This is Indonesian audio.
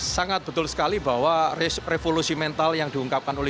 sangat betul sekali bahwa revolusi mental yang diungkapkan oleh